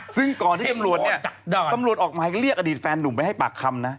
ซึ่งก่อนที่ตำรวจเนี่ยตำรวจออกหมายเรียกอดีตแฟนหนุ่มไปให้ปากคำนะ